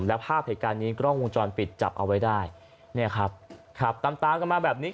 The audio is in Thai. แล้วภาพเหตุการณ์นี้กล้องวงจรปิดจับเอาไว้ได้เนี่ยครับขับตามตามกันมาแบบนี้